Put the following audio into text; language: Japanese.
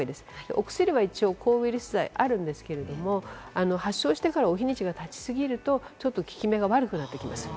お薬は抗ウイルス剤あるんですけれども、発症してから日にちが経ち過ぎるとちょっと効き目が悪くなってきます。